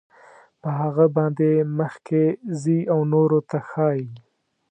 په هغه باندې مخکې ځي او نورو ته ښایي.